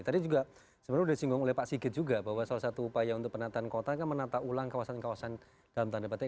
tadi juga sebenarnya sudah disinggung oleh pak sigit juga bahwa salah satu upaya untuk penataan kota kan menata ulang kawasan kawasan dalam tanda petik